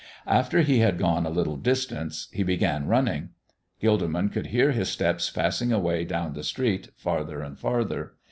After he had gone a little distance he began running. Gilderman could hear his footsteps passing away down the street farther and farther.